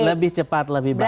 lebih cepat lebih baik